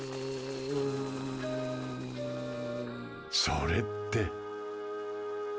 それって。